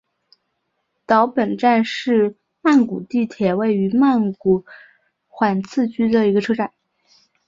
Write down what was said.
岛本站是曼谷地铁位于曼谷挽赐区岛本立交的一个车站。